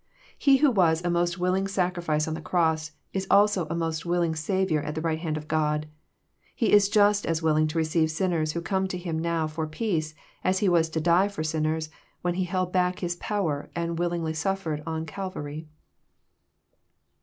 He who was a most willing Sacrifice on the cross is also a most willing Saviour at the right hand of God. He is just as willing to receive sinners who come to Him now for peace, as He was to die for sinners, when He held back His power and willingly suffered on Calvary.